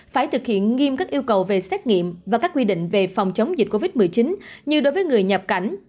phải thực hiện nghiêm các yêu cầu về xét nghiệm và các quy định về phòng chống dịch covid một mươi chín như đối với người nhập cảnh